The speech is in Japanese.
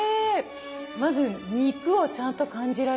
まず肉をちゃんと感じられる。